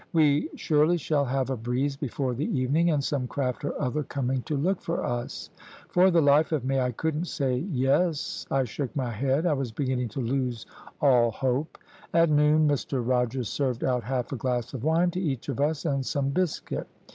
`We surely shall have a breeze before the evening, and some craft or other coming to look for us.' For the life of me I couldn't say `yes.' I shook my head I was beginning to lose all hope. At noon Mr Rogers served out half a glass of wine to each of us and some biscuit.